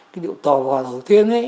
cái điệu tò vò đầu tiên